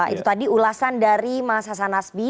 itu tadi ulasan dari mas hasan nasbi